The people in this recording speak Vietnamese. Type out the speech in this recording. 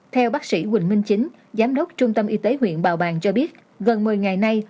theo bác sĩ huỳnh minh chính giám đốc trung tâm y tế huyện bào bàng cho biết gần một mươi ngày nay